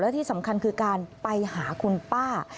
ที่สำคัญคือการไปหาคุณป้า